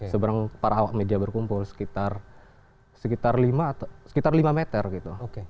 seberang para media berkumpul sekitar lima meter gitu